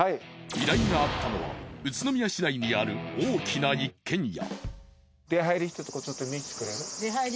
依頼があったのは宇都宮市内にある大きな一軒家。